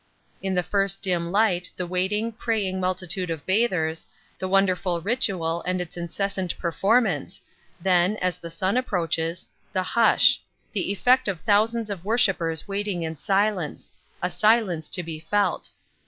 In the first dim light the waiting, praying multitude of bathers, the wonderful ritual and its incessant performance; then, as the sun approaches, the hush the effect of thousands of worshippers waiting in silence a silence to be felt.